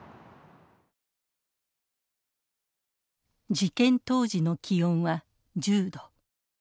事件当時の気温は１０度。